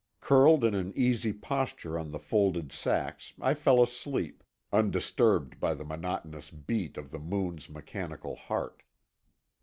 Curled in an easy posture on the folded sacks I fell asleep, undisturbed by the monotonous beat of the Moon's mechanical heart.